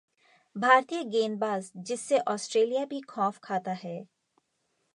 भारतीय गेंदबाज जिससे ऑस्ट्रेलिया भी खौफ खाता है...